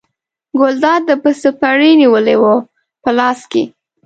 ګلداد د پسه پړی نیولی و په لاس کې.